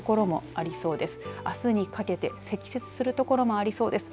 あすにかけて積雪する所もありそうです。